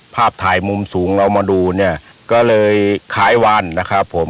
ภาพถ่ายมุมสูงเรามาดูเนี่ยก็เลยขายวันนะครับผม